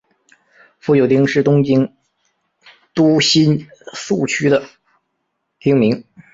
富久町是东京都新宿区的町名。